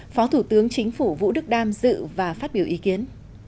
phó thủ tướng chính phủ vũ đức đam dự và phát biểu ý kiến